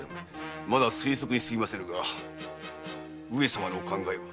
まだ推測に過ぎませぬが上様のお考えは？